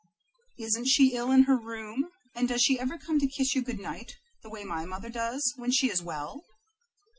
"Isn't she ill in her room? And does she ever come to kiss you good night, the way my mother does, when she is well?"